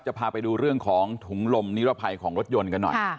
พาไปดูเรื่องของถุงลมนิรภัยของรถยนต์กันหน่อย